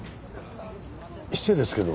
失礼ですけど。